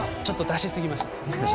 ちょっと出しすぎました。